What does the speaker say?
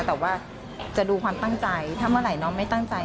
แต่ว่าจะดูความตั้งใจถ้าเมื่อไหร่น้องไม่ตั้งใจ